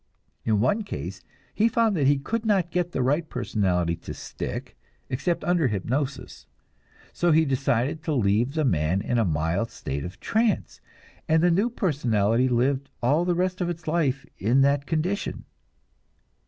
In one case, he found that he could not get the right personality to "stick" except under hypnosis, so he decided to leave the man in a mild state of trance, and the new personality lived all the rest of its life in that condition.